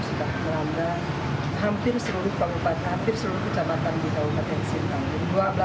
sudah melanda hampir seluruh kecamatan di kabupaten sintang